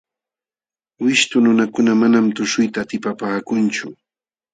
Wishtu nunakuna manam tuśhuyta atipapaakunchu.